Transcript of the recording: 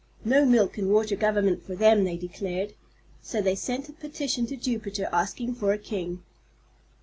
No milk and water government for them, they declared. So they sent a petition to Jupiter asking for a king.